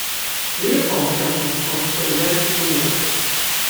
Leopold held this post for the rest of the war.